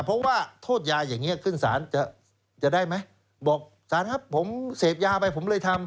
เพราะว่าโทษยาอย่างนี้ขึ้นสารจะได้ไหมบอกสารครับผมเสพยาไปผมเลยทำ